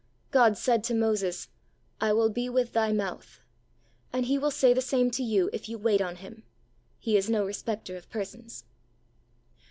God said to Moses, " 1 will be with thy mouth," and He will say the same to you if you wait on Him. He is no respecter of persons.